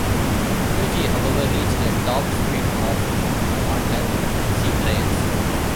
"Fuji", however, reached a top speed of on her sea trials.